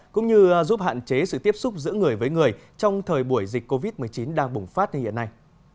cũng như giúp hạn chế sự tiếp xúc giữa người với người trong thời buổi dịch covid một mươi chín đang bùng phát như hiện nay